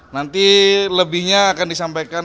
nanti lebihnya akan disampaikan